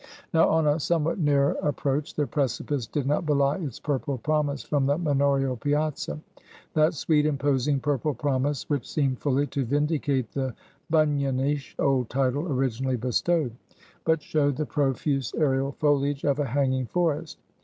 Now, on a somewhat nearer approach, the precipice did not belie its purple promise from the manorial piazza that sweet imposing purple promise, which seemed fully to vindicate the Bunyanish old title originally bestowed; but showed the profuse aerial foliage of a hanging forest.